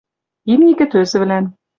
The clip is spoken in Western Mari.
Имни кӹтӧзӹвлӓн